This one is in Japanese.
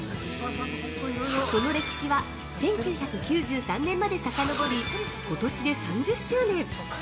その歴史は１９９３年までさかのぼりことしで３０周年！